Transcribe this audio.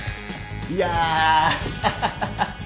いやハハハ！